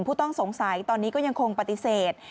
ผู้ต้องสงสัยตอนนี้ก็ยังคงปฏิเสธ